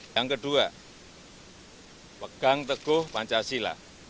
yang kedua pegang teguh pancasila